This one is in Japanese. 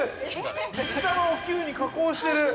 水玉をＱに加工してる。